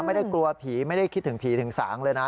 ไม่ได้กลัวผีไม่ได้คิดถึงผีถึงสางเลยนะ